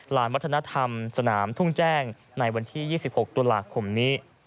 วัฒนธรรมสนามทุ่งแจ้งในวันที่๒๖ตุลาคมนี้